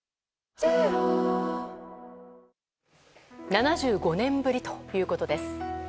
７５年ぶりということです。